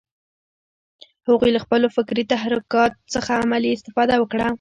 هغوی له خپلو فکري تحرکات څخه عملي استفاده وکړه